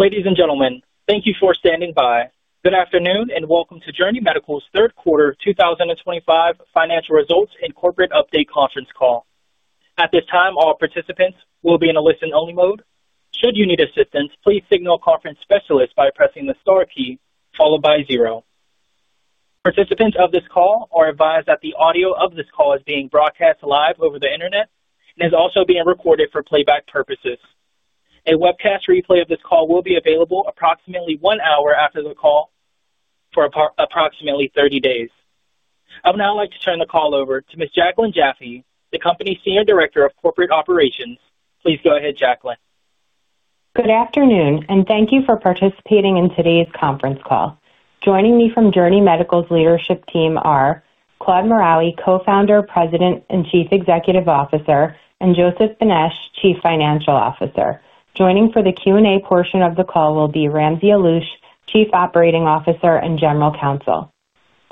Ladies and gentlemen, thank you for standing by. Good afternoon and welcome to Fortress Biotech's Third Quarter 2025 Financial Results and Corporate Update Conference Call. At this time, all participants will be in a listen-only mode. Should you need assistance, please signal conference specialists by pressing the star key followed by zero. Participants of this call are advised that the audio of this call is being broadcast live over the internet and is also being recorded for playback purposes. A webcast replay of this call will be available approximately one hour after the call for approximately 30 days. I would now like to turn the call over to Ms. Jaclyn Jaffe, the company's Senior Director of Corporate Operations. Please go ahead, Jaclyn. Good afternoon, and thank you for participating in today's conference call. Joining me from Fortress Biotech's leadership team are Claude Morali, co-founder, president, and chief executive officer, and Joseph Beneš, chief financial officer. Joining for the Q&A portion of the call will be Ramsey Alush, chief operating officer and general counsel.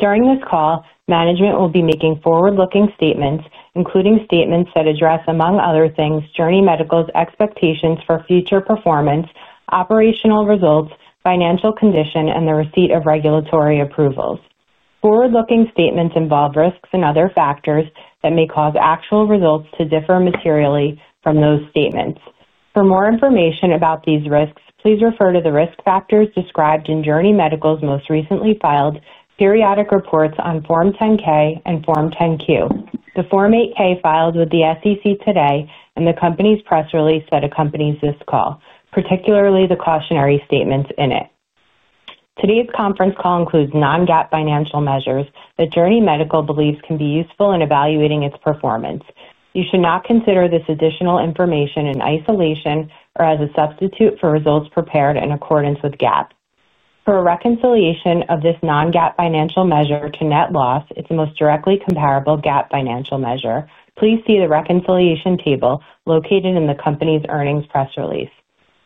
During this call, management will be making forward-looking statements, including statements that address, among other things, Fortress Biotech's expectations for future performance, operational results, financial condition, and the receipt of regulatory approvals. Forward-looking statements involve risks and other factors that may cause actual results to differ materially from those statements. For more information about these risks, please refer to the risk factors described in Fortress Biotech's most recently filed periodic reports on Form 10-K and Form 10-Q. The Form 8-K filed with the SEC today and the company's press release that accompanies this call, particularly the cautionary statements in it. Today's conference call includes non-GAAP financial measures that Fortress Biotech believes can be useful in evaluating its performance. You should not consider this additional information in isolation or as a substitute for results prepared in accordance with GAAP. For a reconciliation of this non-GAAP financial measure to net loss, it's the most directly comparable GAAP financial measure. Please see the reconciliation table located in the company's earnings press release.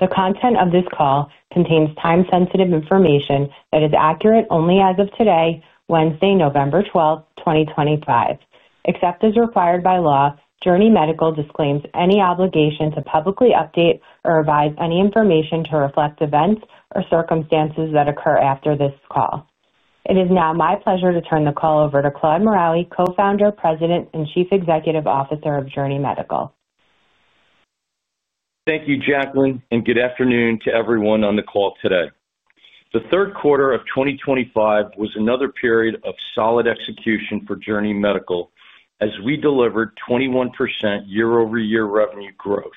The content of this call contains time-sensitive information that is accurate only as of today, Wednesday, November 12th, 2025. Except as required by law, Fortress Biotech disclaims any obligation to publicly update or revise any information to reflect events or circumstances that occur after this call. It is now my pleasure to turn the call over to Claude Morali, Co-founder, President, and Chief Executive Officer of Journey Medical. Thank you, Jaclyn, and good afternoon to everyone on the call today. The third quarter of 2025 was another period of solid execution for Journey Medical as we delivered 21% year-over-year revenue growth.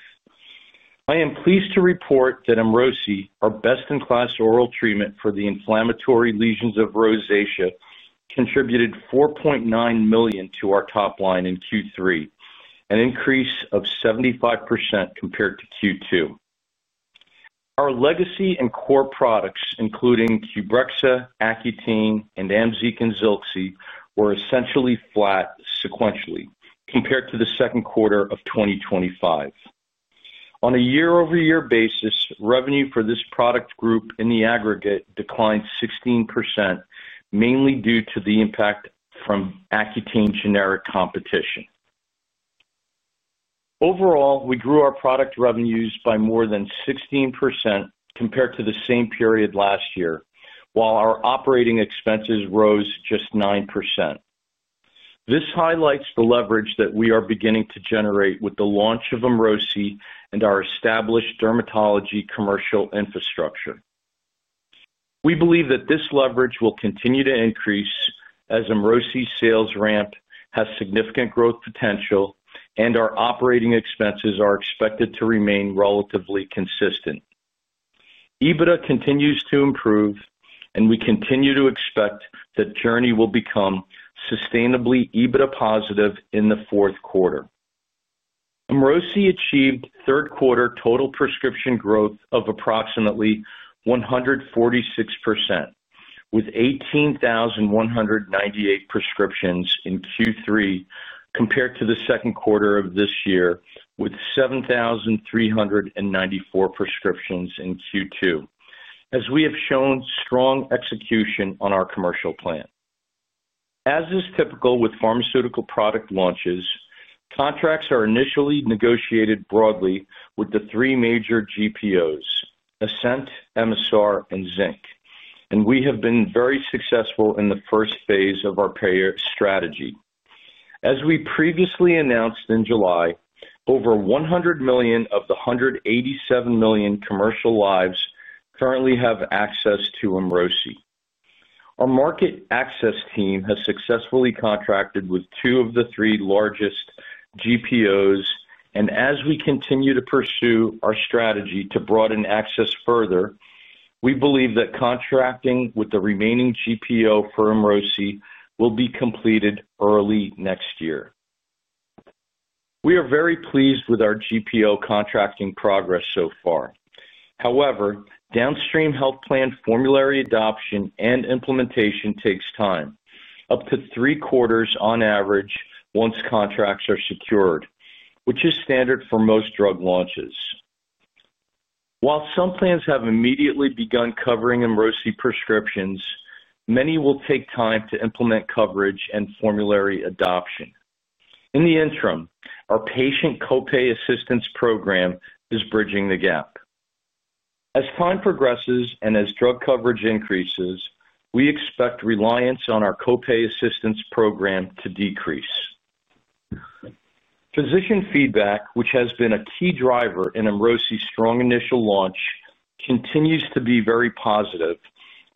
I am pleased to report that Emrosi, our best-in-class oral treatment for the inflammatory lesions of rosacea, contributed $4.9 million to our top line in Q3, an increase of 75% compared to Q2. Our legacy and core products, including Qbrexza, Accutane, and Amzeeq, were essentially flat sequentially compared to the second quarter of 2025. On a year-over-year basis, revenue for this product group in the aggregate declined 16%, mainly due to the impact from Accutane generic competition. Overall, we grew our product revenues by more than 16% compared to the same period last year, while our operating expenses rose just 9%. This highlights the leverage that we are beginning to generate with the launch of Emrosi and our established dermatology commercial infrastructure. We believe that this leverage will continue to increase as Emrosi's sales ramp has significant growth potential, and our operating expenses are expected to remain relatively consistent. EBITDA continues to improve, and we continue to expect that Fortress will become sustainably EBITDA positive in the fourth quarter. Emrosi achieved third-quarter total prescription growth of approximately 146%, with 18,198 prescriptions in Q3 compared to the second quarter of this year, with 7,394 prescriptions in Q2, as we have shown strong execution on our commercial plan. As is typical with pharmaceutical product launches, contracts are initially negotiated broadly with the three major GPOs, Ascent, MSR, and Zinc, and we have been very successful in the first phase of our payer strategy. As we previously announced in July, over $100 million of the $187 million commercial lives currently have access to Emrosi. Our market access team has successfully contracted with two of the three largest GPOs, and as we continue to pursue our strategy to broaden access further, we believe that contracting with the remaining GPO for Emrosi will be completed early next year. We are very pleased with our GPO contracting progress so far. However, downstream health plan formulary adoption and implementation takes time, up to three quarters on average once contracts are secured, which is standard for most drug launches. While some plans have immediately begun covering Emrosi prescriptions, many will take time to implement coverage and formulary adoption. In the interim, our patient copay assistance program is bridging the gap. As time progresses and as drug coverage increases, we expect reliance on our copay assistance program to decrease. Physician feedback, which has been a key driver in Emrosi's strong initial launch, continues to be very positive,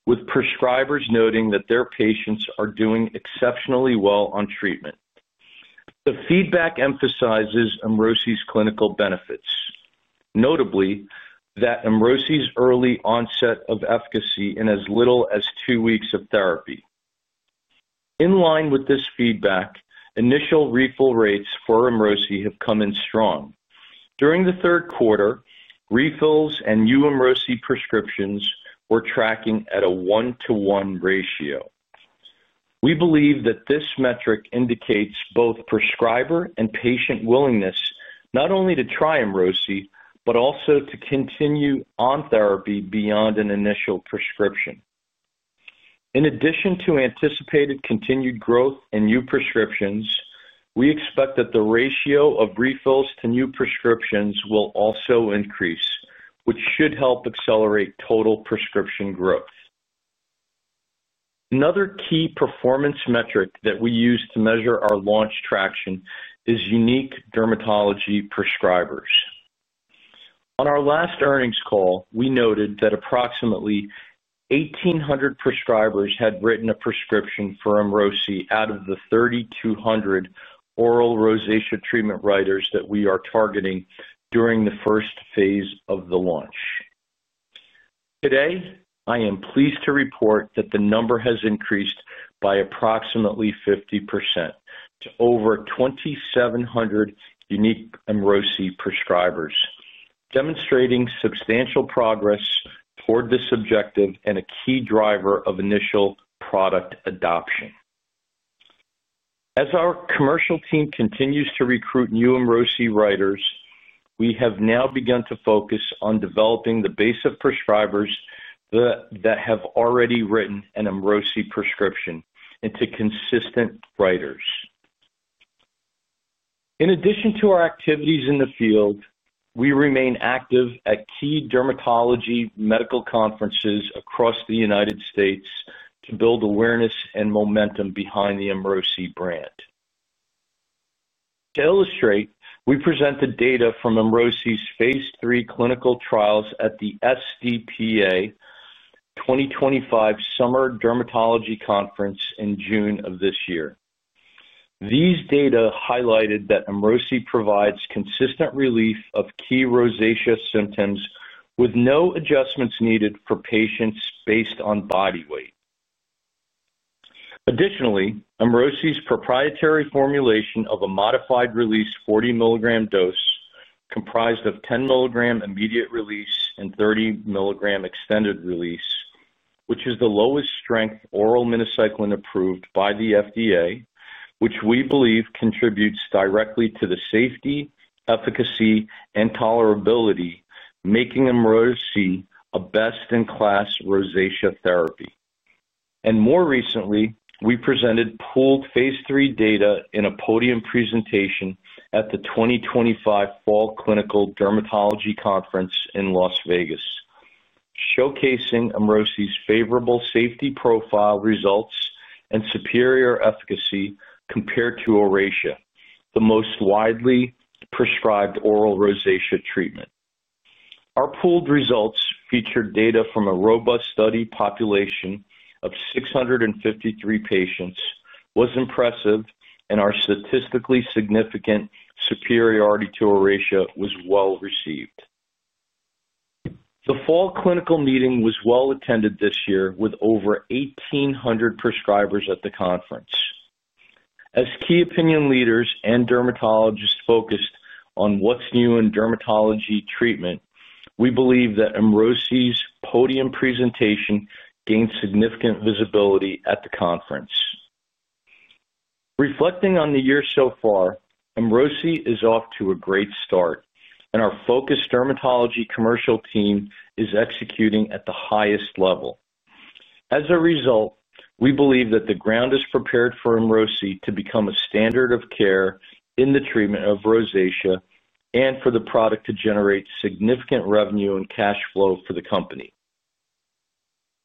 with prescribers noting that their patients are doing exceptionally well on treatment. The feedback emphasizes Emrosi 's clinical benefits, notably that Emrosi 's early onset of efficacy is in as little as two weeks of therapy. In line with this feedback, initial refill rates for Emrosi have come in strong. During the third quarter, refills and new Emrosi prescriptions were tracking at a one-to-one ratio. We believe that this metric indicates both prescriber and patient willingness not only to try Emrosi but also to continue on therapy beyond an initial prescription. In addition to anticipated continued growth in new prescriptions, we expect that the ratio of refills to new prescriptions will also increase, which should help accelerate total prescription growth. Another key performance metric that we use to measure our launch traction is unique dermatology prescribers. On our last earnings call, we noted that approximately 1,800 prescribers had written a prescription for Emrosi out of the 3,200 oral rosacea treatment writers that we are targeting during the first phase of the launch. Today, I am pleased to report that the number has increased by approximately 50% to over 2,700 unique Emrosi prescribers, demonstrating substantial progress toward this objective and a key driver of initial product adoption. As our commercial team continues to recruit new Emrosi writers, we have now begun to focus on developing the base of prescribers that have already written an Emrosi prescription into consistent writers. In addition to our activities in the field, we remain active at key dermatology medical conferences across the United States to build awareness and momentum behind the Emrosi brand. To illustrate, we presented data from Emrosi's phase III clinical trials at the SDPA 2025 summer dermatology conference in June of this year. These data highlighted that Emrosi provides consistent relief of key rosacea symptoms with no adjustments needed for patients based on body weight. Additionally, Emrosi's proprietary formulation of a modified-release 40 mg dose comprised of 10 mg immediate release and 30 mg extended release, which is the lowest strength oral minocycline approved by the FDA, which we believe contributes directly to the safety, efficacy, and tolerability, making Emrosi a best-in-class rosacea therapy. More recently, we presented pooled phase III data in a podium presentation at the 2025 Fall Clinical Dermatology Conference in Las Vegas, showcasing Emrosi's favorable safety profile results and superior efficacy compared to Oracea, the most widely prescribed oral rosacea treatment. Our pooled results featured data from a robust study population of 653 patients, was impressive, and our statistically significant superiority to Oracea was well received. The fall clinical meeting was well attended this year with over 1,800 prescribers at the conference. As key opinion leaders and dermatologists focused on what's new in dermatology treatment, we believe that Emrosi's podium presentation gained significant visibility at the conference. Reflecting on the year so far, Emrosi is off to a great start, and our focused dermatology commercial team is executing at the highest level. As a result, we believe that the ground is prepared for Emrosi to become a standard of care in the treatment of rosacea and for the product to generate significant revenue and cash flow for the company.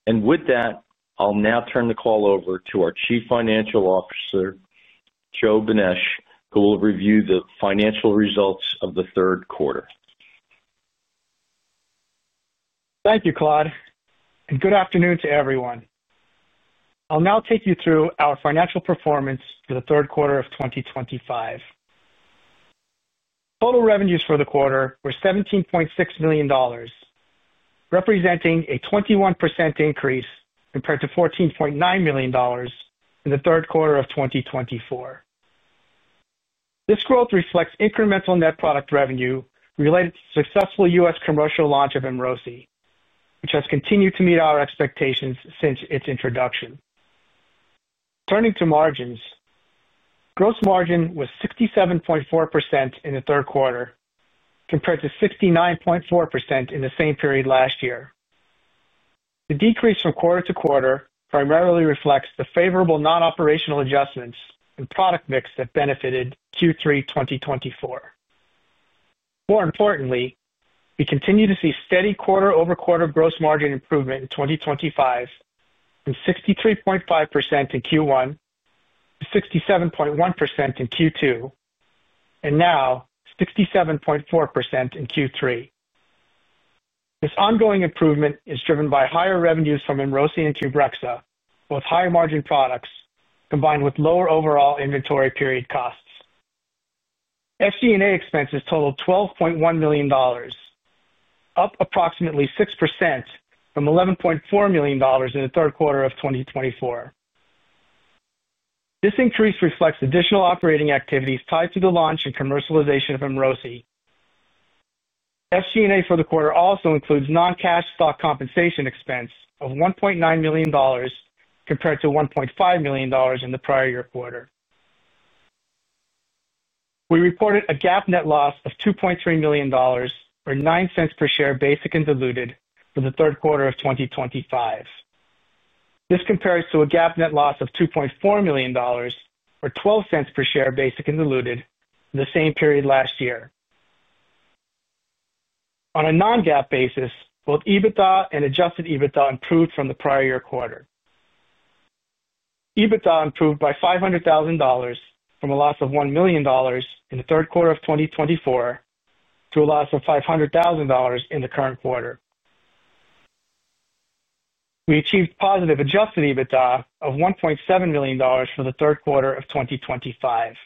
With that, I'll now turn the call over to our Chief Financial Officer, Joe Beneš, who will review the financial results of the third quarter. Thank you, Claude, and good afternoon to everyone. I'll now take you through our financial performance for the third quarter of 2025. Total revenues for the quarter were $17.6 million, representing a 21% increase compared to $14.9 million in the third quarter of 2024. This growth reflects incremental net product revenue related to successful U.S. commercial launch of Emrosi, which has continued to meet our expectations since its introduction. Turning to margins, gross margin was 67.4% in the third quarter compared to 69.4% in the same period last year. The decrease from quarter-to-quarter primarily reflects the favorable non-operational adjustments in product mix that benefited Q3 2024. More importantly, we continue to see steady quarter-over-quarter gross margin improvement in 2025, from 63.5% in Q1 to 67.1% in Q2, and now 67.4% in Q3. This ongoing improvement is driven by higher revenues from Emrosi and Qbrexza, both higher margin products combined with lower overall inventory period costs. R&D expenses totaled $12.1 million, up approximately 6% from $11.4 million in the third quarter of 2024. This increase reflects additional operating activities tied to the launch and commercialization of Emrosi. R&D for the quarter also includes non-cash stock compensation expense of $1.9 million compared to $1.5 million in the prior year quarter. We reported a GAAP net loss of $2.3 million, or $0.09 per share basic and diluted, for the third quarter of 2025. This compares to a GAAP net loss of $2.4 million, or $0.12 per share basic and diluted, in the same period last year. On a non-GAAP basis, both EBITDA and adjusted EBITDA improved from the prior year quarter. EBITDA improved by $500,000 from a loss of $1 million in the third quarter of 2024 to a loss of $500,000 in the current quarter. We achieved +adjusted EBITDA of $1.7 million for the third quarter of 2025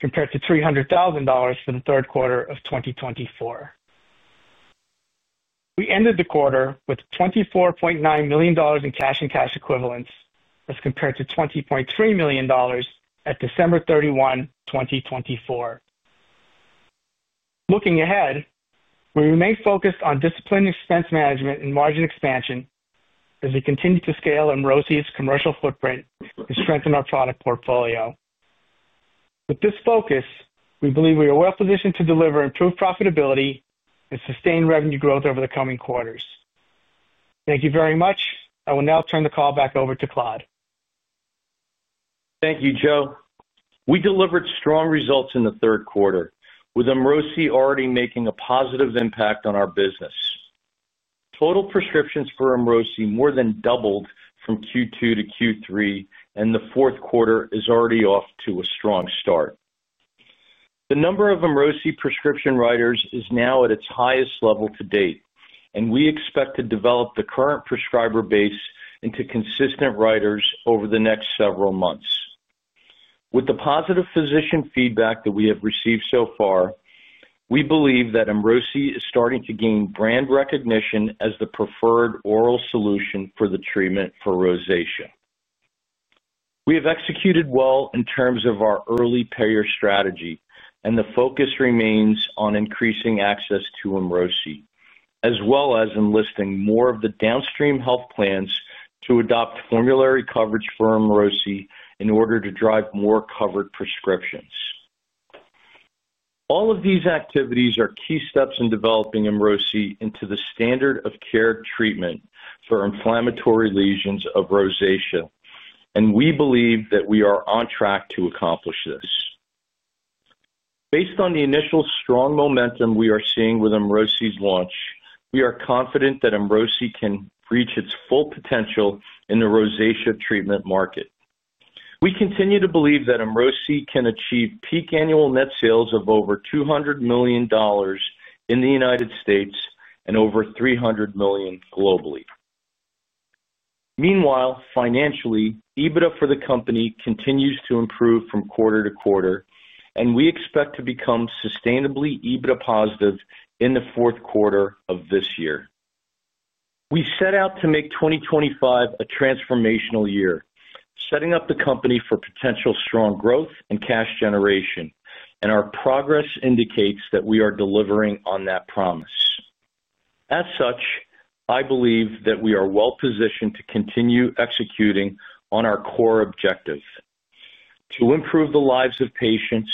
compared to $300,000 for the third quarter of 2024. We ended the quarter with $24.9 million in cash and cash equivalents as compared to $20.3 million at December 31, 2024. Looking ahead, we remain focused on disciplined expense management and margin expansion as we continue to scale Fortress Biotech's commercial footprint and strengthen our product portfolio. With this focus, we believe we are well positioned to deliver improved profitability and sustained revenue growth over the coming quarters. Thank you very much. I will now turn the call back over to Claude. Thank you, Joe. We delivered strong results in the third quarter, with Emrosi already making a positive impact on our business. Total prescriptions for Emrosi more than doubled from Q2-Q3, and the fourth quarter is already off to a strong start. The number of Emrosi prescription writers is now at its highest level to date, and we expect to develop the current prescriber base into consistent writers over the next several months. With the positive physician feedback that we have received so far, we believe that Emrosi is starting to gain brand recognition as the preferred oral solution for the treatment for rosacea. We have executed well in terms of our early payer strategy, and the focus remains on increasing access to Emrosi, as well as enlisting more of the downstream health plans to adopt formulary coverage for Emrosi in order to drive more covered prescriptions. All of these activities are key steps in developing Emrosi into the standard of care treatment for inflammatory lesions of rosacea, and we believe that we are on track to accomplish this. Based on the initial strong momentum we are seeing with Emrosi's launch, we are confident that Emrosi can reach its full potential in the rosacea treatment market. We continue to believe that Emrosi can achieve peak annual net sales of over $200 million in the United States and over $300 million globally. Meanwhile, financially, EBITDA for the company continues to improve from quarter-to-quarter, and we expect to become sustainably EBITDA+ in the fourth quarter of this year. We set out to make 2025 a transformational year, setting up the company for potential strong growth and cash generation, and our progress indicates that we are delivering on that promise. As such, I believe that we are well positioned to continue executing on our core objective: to improve the lives of patients,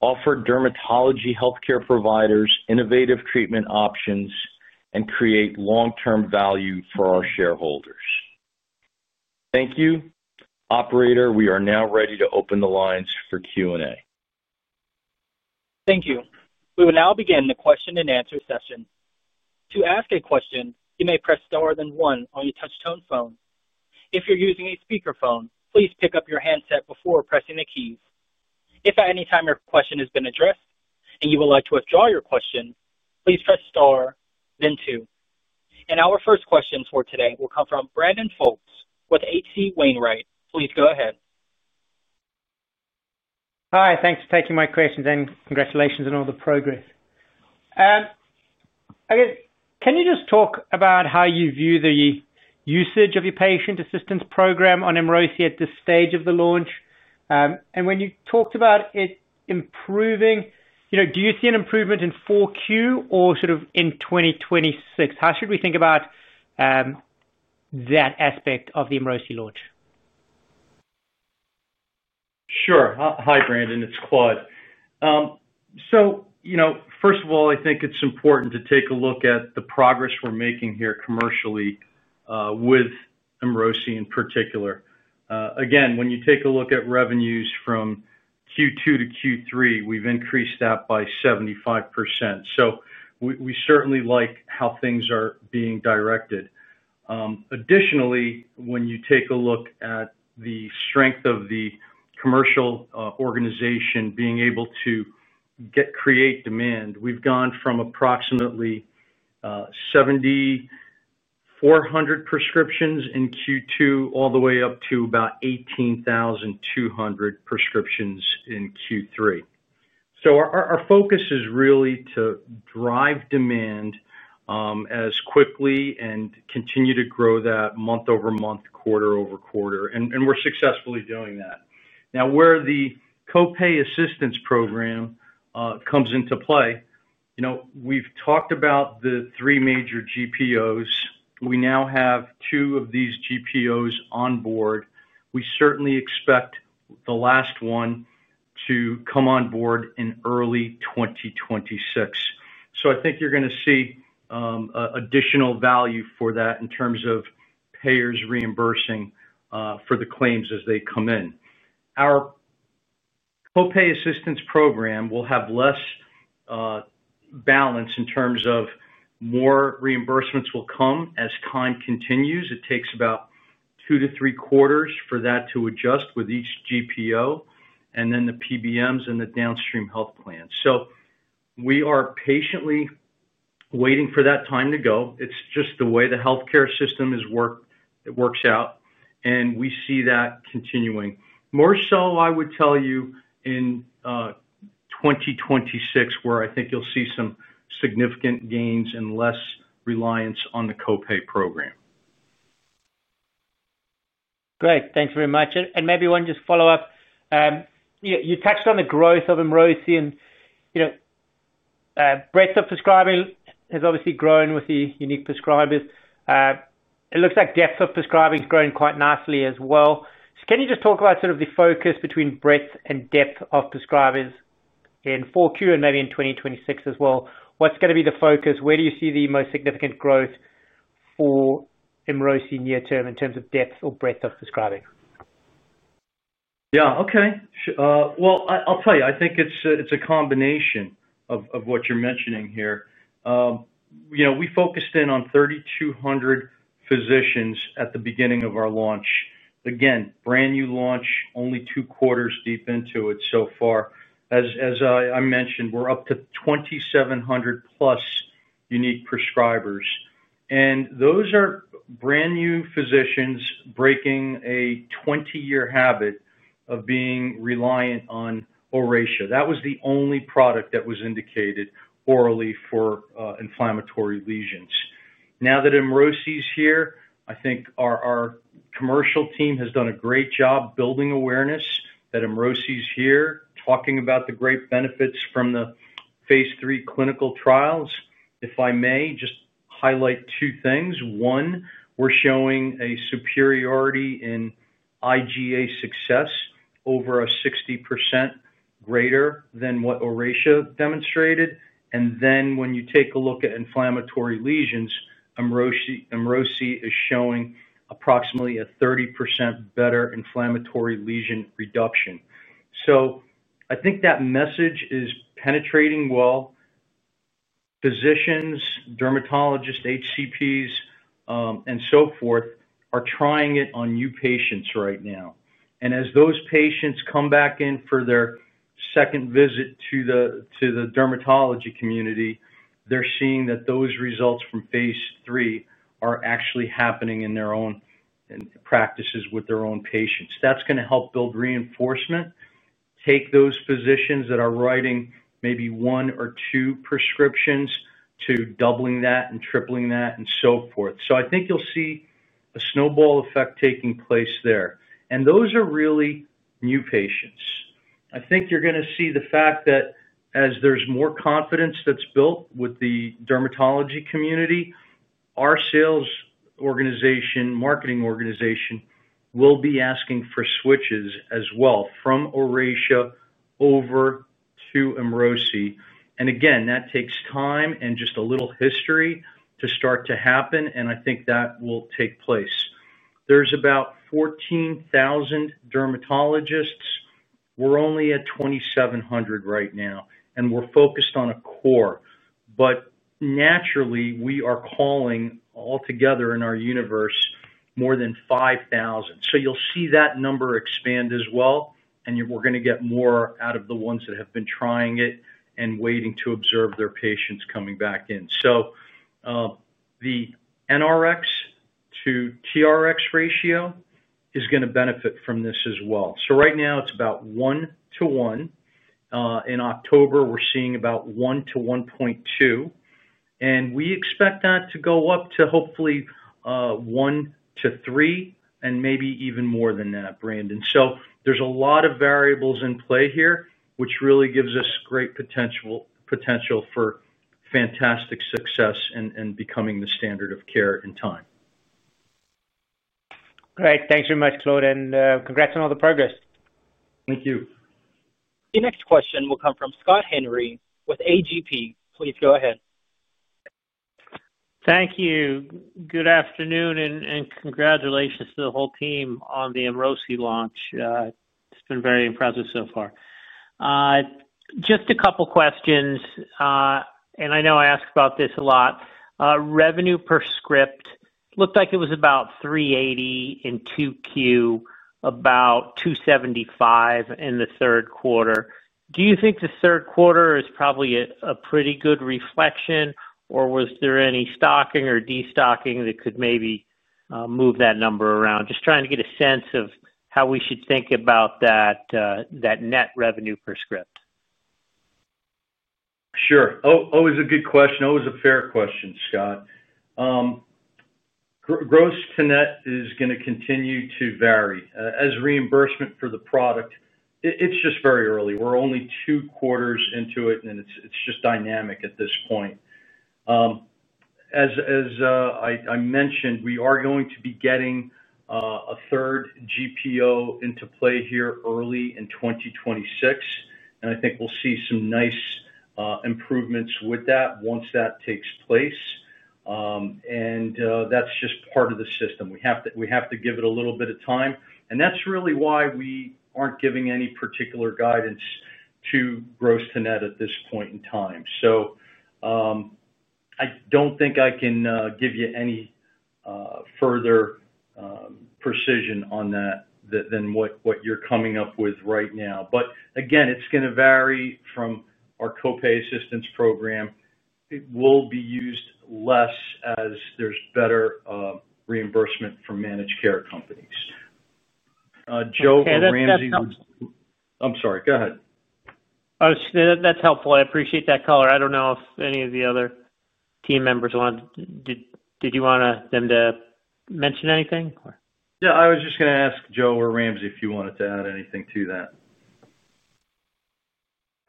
offer dermatology healthcare providers innovative treatment options, and create long-term value for our shareholders. Thank you. Operator, we are now ready to open the lines for Q&A. Thank you. We will now begin the question-and-answer session. To ask a question, you may press star then one on your touch-tone phone. If you're using a speakerphone, please pick up your handset before pressing the keys. If at any time your question has been addressed and you would like to withdraw your question, please press star, then two. Our first question for today will come from Brandon Foakes with HC Wainwright. Please go ahead. Hi. Thanks for taking my questions, and congratulations on all the progress. I guess, can you just talk about how you view the usage of your patient assistance program on Emrosi at this stage of the launch? When you talked about it improving, do you see an improvement in Q4 or sort of in 2026? How should we think about that aspect of the Emrosi launch? Sure. Hi, Brandon. It's Claude. First of all, I think it's important to take a look at the progress we're making here commercially with Emrosi in particular. Again, when you take a look at revenues from Q2-Q3, we've increased that by 75%. We certainly like how things are being directed. Additionally, when you take a look at the strength of the commercial organization being able to create demand, we've gone from approximately 7,400 prescriptions in Q2 all the way up to about 18,200 prescriptions in Q3. Our focus is really to drive demand as quickly and continue to grow that month-over-month, quarter-over-quarter, and we're successfully doing that. Where the copay assistance program comes into play, we've talked about the three major GPOs. We now have two of these GPOs on board. We certainly expect the last one to come on board in early 2026. I think you're going to see additional value for that in terms of payers reimbursing for the claims as they come in. Our copay assistance program will have less balance in terms of more reimbursements will come as time continues. It takes about two to three quarters for that to adjust with each GPO and then the PBMs and the downstream health plans. We are patiently waiting for that time to go. It's just the way the healthcare system works out, and we see that continuing. More so, I would tell you in 2026, where I think you'll see some significant gains and less reliance on the copay program. Great. Thanks very much. Maybe one just follow-up. You touched on the growth of Emrosi, and breadth of prescribing has obviously grown with the unique prescribers. It looks like depth of prescribing has grown quite nicely as well. Can you just talk about sort of the focus between breadth and depth of prescribers in Q4 and maybe in 2026 as well? What's going to be the focus? Where do you see the most significant growth for Emrosi near-term in terms of depth or breadth of prescribing? Yeah. Okay. I think it's a combination of what you're mentioning here. We focused in on 3,200 physicians at the beginning of our launch. Again, brand new launch, only two quarters deep into it so far. As I mentioned, we're up to 2,700+ unique prescribers. Those are brand new physicians breaking a 20-year habit of being reliant on Oracea. That was the only product that was indicated orally for inflammatory lesions. Now that Emrosi is here, I think our commercial team has done a great job building awareness that Emrosi is here, talking about the great benefits from the phase III clinical trials. If I may, just highlight two things. One, we're showing a superiority in IGA success, over 60% greater than what Oracea demonstrated. When you take a look at inflammatory lesions, Emrosi is showing approximately a 30% better inflammatory lesion reduction. I think that message is penetrating well. Physicians, dermatologists, HCPs, and so forth are trying it on new patients right now. As those patients come back in for their second visit to the dermatology community, they're seeing that those results from phase III are actually happening in their own practices with their own patients. That's going to help build reinforcement, take those physicians that are writing maybe one or two prescriptions to doubling that and tripling that and so forth. I think you'll see a snowball effect taking place there. Those are really new patients. I think you're going to see the fact that as there's more confidence that's built with the dermatology community, our sales organization, marketing organization, will be asking for switches as well from Oracea over to Emrosi. That takes time and just a little history to start to happen, and I think that will take place. There are about 14,000 dermatologists. We're only at 2,700 right now, and we're focused on a core. Naturally, we are calling altogether in our universe more than 5,000. You will see that number expand as well, and we're going to get more out of the ones that have been trying it and waiting to observe their patients coming back in. The NRX-TRX ratio is going to benefit from this as well. Right now, it's about one to one. In October, we're seeing about one-1.2, and we expect that to go up to hopefully one-three and maybe even more than that, Brandon. There is a lot of variables in play here, which really gives us great potential for fantastic success in becoming the standard of care in time. Great. Thanks very much, Claude, and congrats on all the progress. Thank you. The next question will come from Scott Henry with AGP. Please go ahead. Thank you. Good afternoon and congratulations to the whole team on the Emrosi launch. It's been very impressive so far. Just a couple of questions, and I know I ask about this a lot. Revenue per script looked like it was about $380 in 2Q, about $275 in the third quarter. Do you think the third quarter is probably a pretty good reflection, or was there any stocking or destocking that could maybe move that number around? Just trying to get a sense of how we should think about that net revenue per script. Sure. Always a good question. Always a fair question, Scott. Gross to net is going to continue to vary as reimbursement for the product. It's just very early. We're only two quarters into it, and it's just dynamic at this point. As I mentioned, we are going to be getting a 1/3 GPO into play here early in 2026, and I think we'll see some nice improvements with that once that takes place. That's just part of the system. We have to give it a little bit of time, and that's really why we aren't giving any particular guidance to gross to net at this point in time. I don't think I can give you any further precision on that than what you're coming up with right now. Again, it's going to vary from our copay assistance program. It will be used less as there's better reimbursement for managed care companies. Joe or Ramsey will. Okay. That's helpful. I'm sorry. Go ahead. Oh, that's helpful. I appreciate that, Caller. I don't know if any of the other team members wanted to—did you want them to mention anything? Yeah. I was just going to ask Joe or Ramsey if you wanted to add anything to that.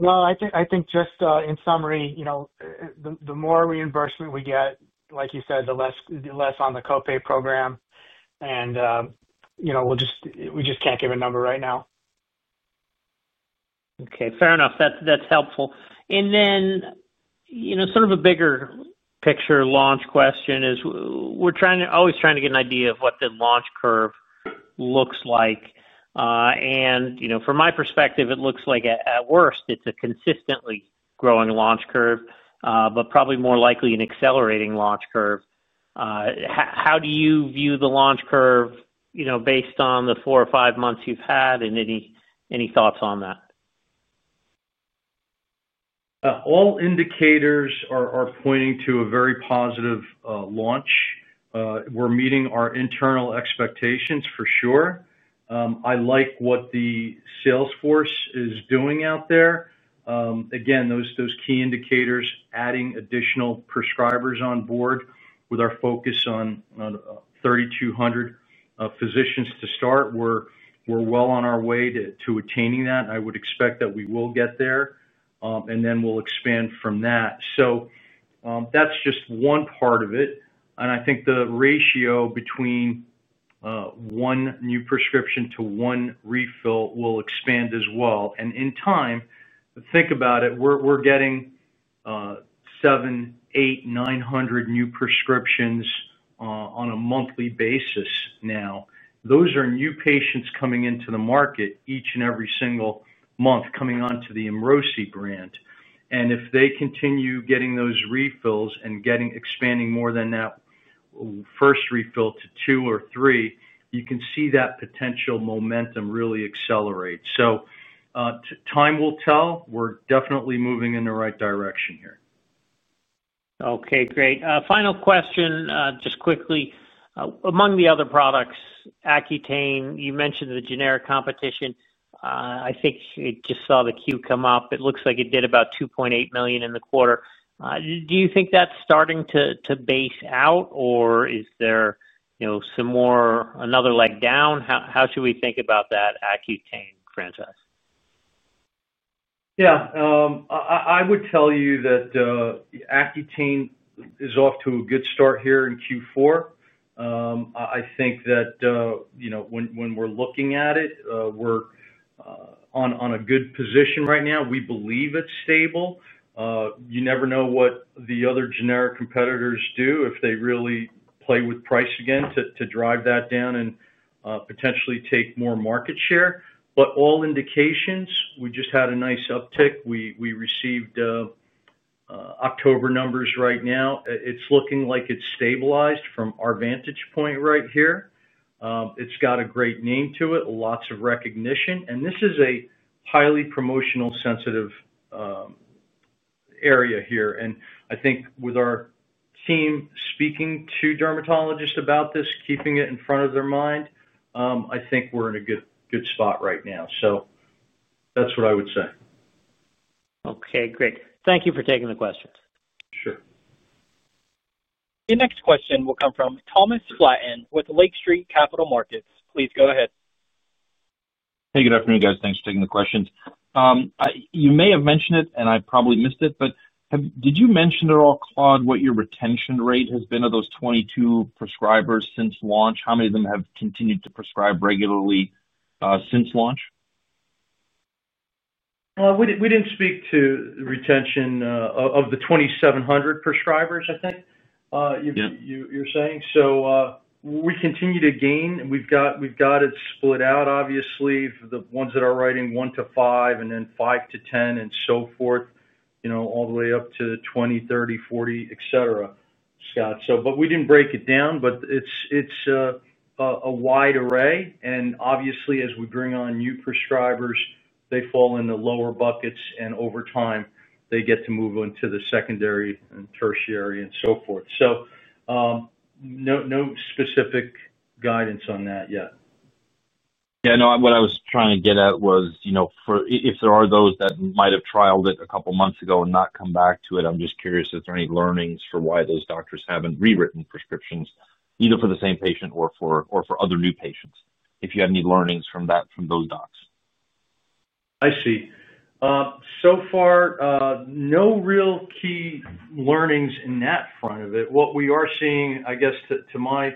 I think just in summary, the more reimbursement we get, like you said, the less on the copay program, and we just can't give a number right now. Okay. Fair enough. That's helpful. Then sort of a bigger picture launch question is we're always trying to get an idea of what the launch curve looks like. From my perspective, it looks like at worst, it's a consistently growing launch curve, but probably more likely an accelerating launch curve. How do you view the launch curve based on the four or five months you've had, and any thoughts on that? All indicators are pointing to a very positive launch. We're meeting our internal expectations for sure. I like what the salesforce is doing out there. Again, those key indicators, adding additional prescribers on board with our focus on 3,200 physicians to start, we're well on our way to attaining that. I would expect that we will get there, and then we'll expand from that. That is just one part of it. I think the ratio between one new prescription to one refill will expand as well. In time, think about it, we're getting 7, 8, 900 new prescriptions on a monthly basis now. Those are new patients coming into the market each and every single month coming onto the Emrosi brand. If they continue getting those refills and expanding more than that first refill to two or three, you can see that potential momentum really accelerate. Time will tell. We're definitely moving in the right direction here. Okay. Great. Final question, just quickly. Among the other products, Accutane, you mentioned the generic competition. I think you just saw the Q come up. It looks like it did about $2.8 million in the quarter. Do you think that's starting to base out, or is there some more another leg down? How should we think about that Accutane franchise? Yeah. I would tell you that Accutane is off to a good start here in Q4. I think that when we're looking at it, we're in a good position right now. We believe it's stable. You never know what the other generic competitors do if they really play with price again to drive that down and potentially take more market share. All indications, we just had a nice uptick. We received October numbers right now. It's looking like it's stabilized from our vantage point right here. It's got a great name to it, lots of recognition. This is a highly promotional-sensitive area here. I think with our team speaking to dermatologists about this, keeping it in front of their mind, I think we're in a good spot right now. That's what I would say. Okay. Great. Thank you for taking the questions. Sure. The next question will come from Thomas Flaten with Lake Street Capital Markets. Please go ahead. Hey, good afternoon, guys. Thanks for taking the questions. You may have mentioned it, and I probably missed it, but did you mention at all, Claude, what your retention rate has been of those 22 prescribers since launch? How many of them have continued to prescribe regularly since launch? We did not speak to retention of the 2,700 prescribers, I think you are saying. We continue to gain. We have it split out, obviously, the ones that are writing one to five and then five to ten and so forth, all the way up to 20, 30, 40, etc., Scott. We did not break it down, but it is a wide array. Obviously, as we bring on new prescribers, they fall in the lower buckets, and over time, they get to move into the secondary and tertiary and so forth. No specific guidance on that yet. Yeah. No, what I was trying to get at was if there are those that might have trialed it a couple of months ago and not come back to it, I'm just curious if there are any learnings for why those doctors haven't rewritten prescriptions either for the same patient or for other new patients, if you have any learnings from those docs. I see. So far, no real key learnings in that front of it. What we are seeing, I guess to my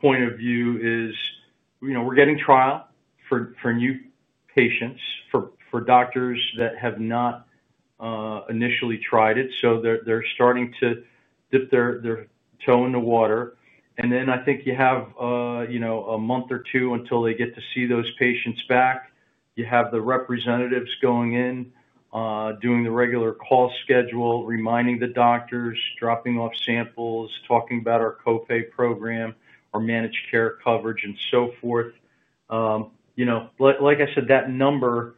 point of view, is we're getting trial for new patients, for doctors that have not initially tried it. They're starting to dip their toe in the water. I think you have a month or two until they get to see those patients back. You have the representatives going in, doing the regular call schedule, reminding the doctors, dropping off samples, talking about our copay program, our managed care coverage, and so forth. Like I said, that number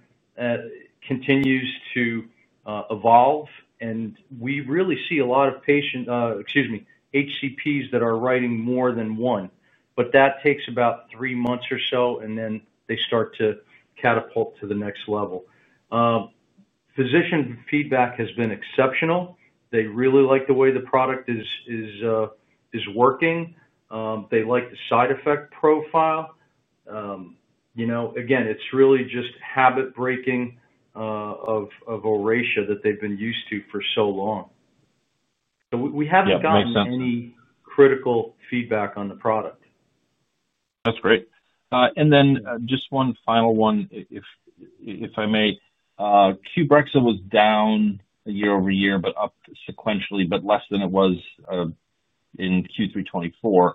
continues to evolve, and we really see a lot of patient—excuse me—HCPs that are writing more than one. That takes about three months or so, and then they start to catapult to the next level. Physician feedback has been exceptional. They really like the way the product is working. They like the side effect profile. Again, it's really just habit-breaking of Oracea that they've been used to for so long. We haven't gotten any critical feedback on the product. That's great. And then just one final one, if I may. Qbrexza was down year-over-year, but up sequentially, but less than it was in Q3 2024.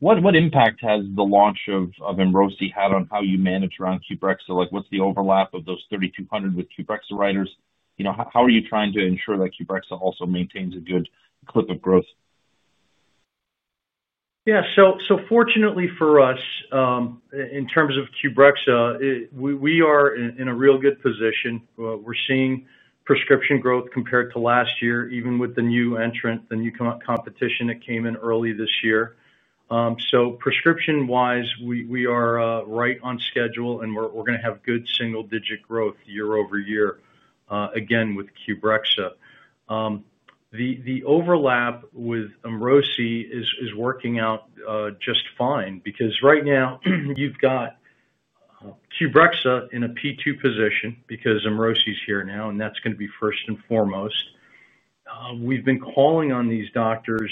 What impact has the launch of Emrosi had on how you manage around Qbrexza? What's the overlap of those 3,200 with Qbrexza writers? How are you trying to ensure that Qbrexza also maintains a good clip of growth? Yeah. So fortunately for us, in terms of Qbrexz, we are in a real good position. We're seeing prescription growth compared to last year, even with the new entrant, the new competition that came in early this year. Prescription-wise, we are right on schedule, and we're going to have good single-digit growth year-over-year, again, with Qbrexza. The overlap with Emrosi is working out just fine because right now, you've got Qbrexza in a P2 position because Emrosi is here now, and that's going to be first and foremost. We've been calling on these doctors.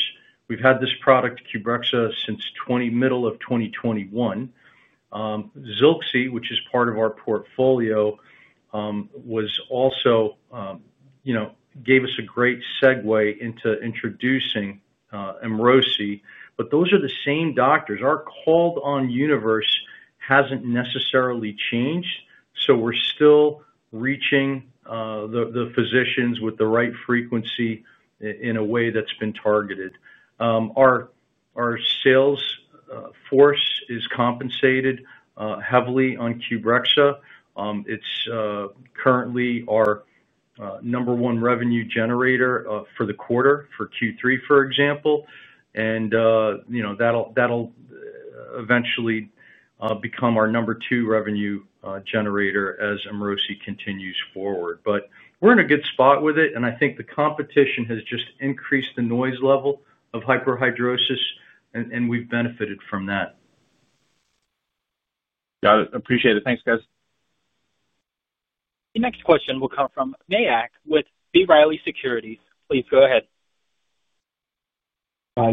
We've had this product, Qbrexza, since middle of 2021. Zilxi, which is part of our portfolio, also gave us a great segue into introducing Emrosi. Those are the same doctors. Our call-on universe hasn't necessarily changed, so we're still reaching the physicians with the right frequency in a way that's been targeted. Our sales force is compensated heavily on Qbrexza. It's currently our number one revenue generator for the quarter, for Q3, for example. That'll eventually become our number two revenue generator as Emrosi continues forward. We're in a good spot with it, and I think the competition has just increased the noise level of hyperhidrosis, and we've benefited from that. Got it. Appreciate it. Thanks, guys. The next question will come from Mayak with B. Riley Securities. Please go ahead.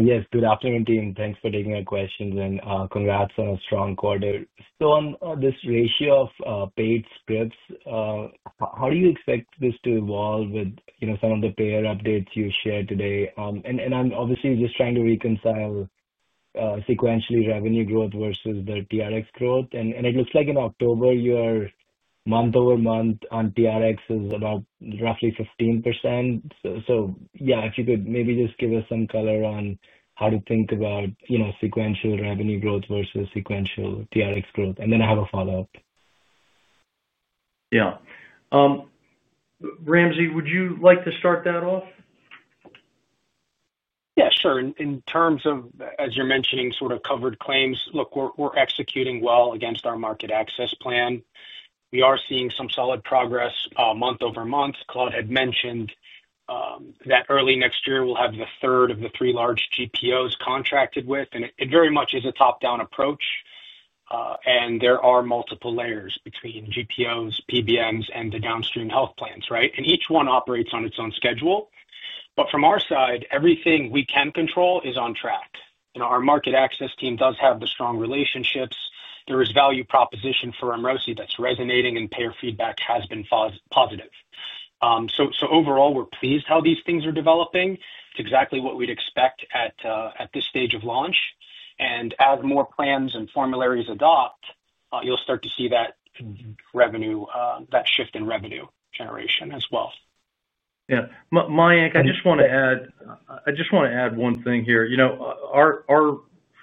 Yes. Good afternoon, Dean. Thanks for taking our questions, and congrats on a strong quarter. On this ratio of paid scripts, how do you expect this to evolve with some of the payer updates you shared today? I am obviously just trying to reconcile sequentially revenue growth versus the TRX growth. It looks like in October, your month-over-month on TRX is about roughly 15%. If you could maybe just give us some color on how to think about sequential revenue growth versus sequential TRX growth. I have a follow-up. Yeah. Ramsey, would you like to start that off? Yeah. Sure. In terms of, as you're mentioning, sort of covered claims, look, we're executing well against our market access plan. We are seeing some solid progress month-over-month. Claude had mentioned that early next year, we'll have the third of the three large GPOs contracted with. It very much is a top-down approach. There are multiple layers between GPOs, PBMs, and the downstream health plans, right? Each one operates on its own schedule. From our side, everything we can control is on track. Our market access team does have the strong relationships. There is value proposition for Emrosi that's resonating, and payer feedback has been positive. Overall, we're pleased how these things are developing. It's exactly what we'd expect at this stage of launch. As more plans and formularies adopt, you'll start to see that shift in revenue generation as well. Yeah. Mayak, I just want to add—I just want to add one thing here.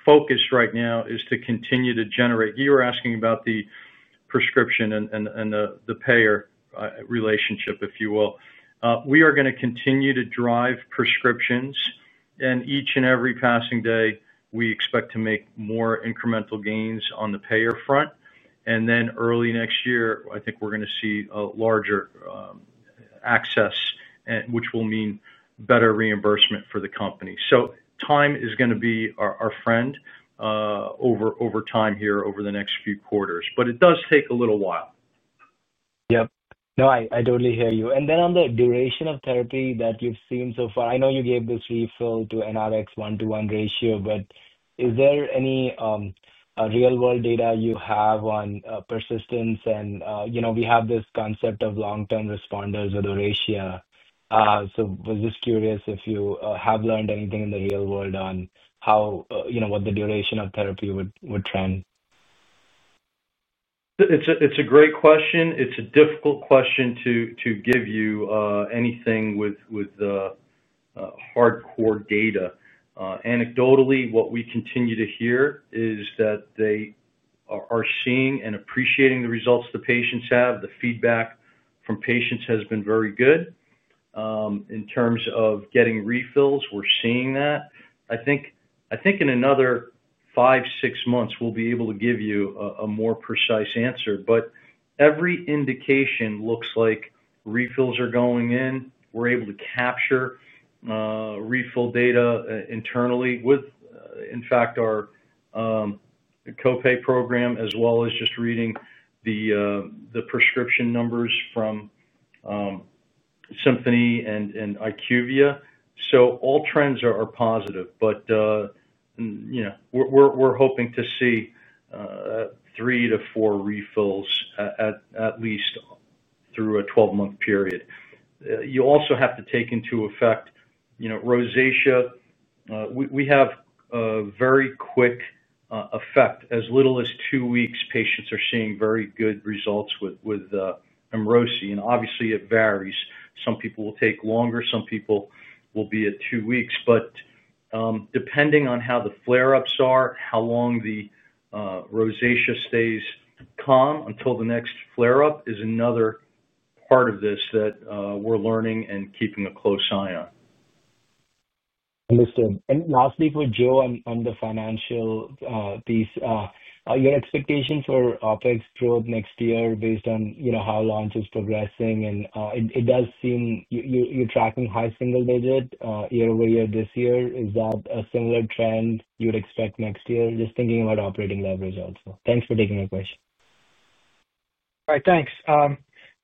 Our focus right now is to continue to generate. You were asking about the prescription and the payer relationship, if you will. We are going to continue to drive prescriptions. Each and every passing day, we expect to make more incremental gains on the payer front. Early next year, I think we're going to see a larger access, which will mean better reimbursement for the company. Time is going to be our friend over time here over the next few quarters. It does take a little while. Yeah[audio disortion] I totally hear you. Then on the duration of therapy that you've seen so far, I know you gave this refill to an RX one-to-one ratio, but is there any real-world data you have on persistence? We have this concept of long-term responders with Oracea. I was just curious if you have learned anything in the real world on what the duration of therapy would trend. It's a great question. It's a difficult question to give you anything with hardcore data. Anecdotally, what we continue to hear is that they are seeing and appreciating the results the patients have. The feedback from patients has been very good. In terms of getting refills, we're seeing that. I think in another five, six months, we'll be able to give you a more precise answer. Every indication looks like refills are going in. We're able to capture refill data internally with, in fact, our copay program, as well as just reading the prescription numbers from Symphony and IQVIA. All trends are positive. We're hoping to see three refills-four refills at least through a 12-month period. You also have to take into effect rosacea. We have a very quick effect. As little as two weeks, patients are seeing very good results with Emrosi. Obviously, it varies. Some people will take longer. Some people will be at two weeks. Depending on how the flare-ups are, how long the rosacea stays calm until the next flare-up is another part of this that we're learning and keeping a close eye on. Understood. Lastly, for Joe on the financial piece, your expectations for OpEx growth next year based on how launch is progressing? It does seem you're tracking high single digit year-over-year this year. Is that a similar trend you would expect next year? Just thinking about operating leverage also. Thanks for taking my question. All right. Thanks.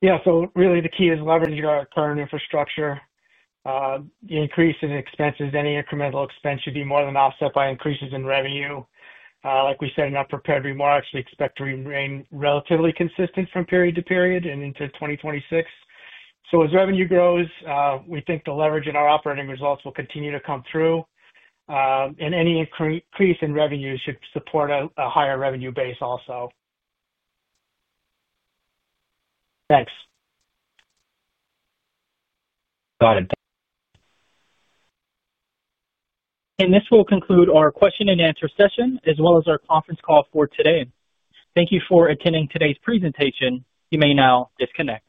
Yeah. Really, the key is leveraging our current infrastructure. The increase in expenses, any incremental expense should be more than offset by increases in revenue. Like we said in our prepared remarks, we expect to remain relatively consistent from period to period and into 2026. As revenue grows, we think the leverage in our operating results will continue to come through. Any increase in revenue should support a higher revenue base also. Thanks. Got it. This will conclude our question-and-answer session as well as our conference call for today. Thank you for attending today's presentation. You may now disconnect.